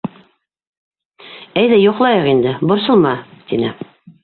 Әйҙә, йоҡлайыҡ инде, борсолма, — тине.